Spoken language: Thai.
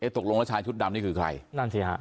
ตกลงแล้วชายชุดดำนี่คือใครนั่นสิฮะ